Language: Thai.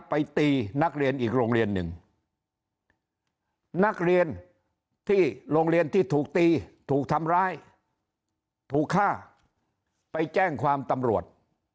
ไปตีนักเรียนอีกโรงเรียนหนึ่งนักเรียนที่โรงเรียนที่ถูกตีถูกทำร้ายถูกฆ่าไปแจ้งความตำรวจ